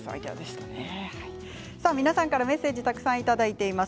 皆さんからメッセージたくさんいただいています。